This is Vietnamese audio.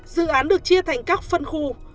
dự án được chia thành các phân khu